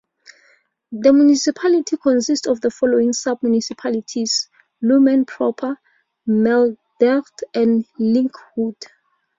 The municipality consists of the following sub-municipalities: Lummen proper, Meldert en Linkhout.